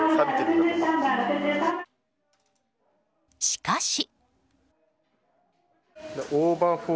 しかし。